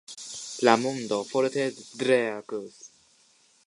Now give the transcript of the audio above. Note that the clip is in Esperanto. La mondo forte reagus.